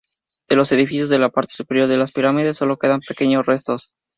De los edificios en la parte superior de las pirámides, sólo quedan pequeños restos.